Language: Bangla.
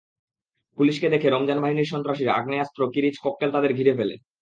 পুলিশকে দেখে রমজান বাহিনীর সন্ত্রাসীরা আগ্নেয়াস্ত্র, কিরিচ, ককটেল তাঁদের ঘিরে ফেলে।